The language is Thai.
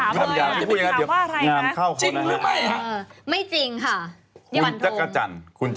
ฉันยังโสดร้อยเปอร์เซ็นต์นะคะมีคุณภาพด้วย